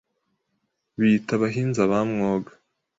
Biyita abahinza ba mwoga